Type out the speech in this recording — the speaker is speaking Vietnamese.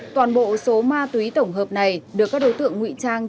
toàn bộ số ma túy tổng hợp này được các đối tượng ngụy trang